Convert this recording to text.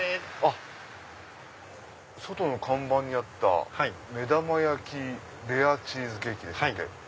外の看板にあった目玉焼きレアチーズケーキ。